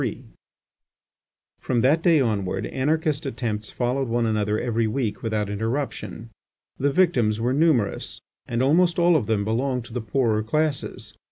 3 From that day onward, anarchist attempts followed one another every week without interruption. The victims were numerous, and almost all of them belonged to the poorer classes.